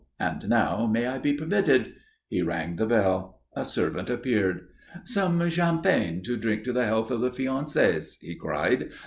And now, may I be permitted?" He rang the bell. A servant appeared. "Some champagne to drink to the health of the fiancés," he cried.